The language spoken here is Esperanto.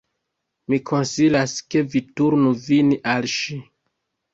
Mi konsilas ke vi turnu vin al ŝi."